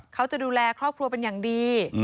เขาจะดูแลครอบครัวเป็นอย่างดี